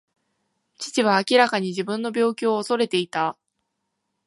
父は明らかに自分の病気を恐れていた。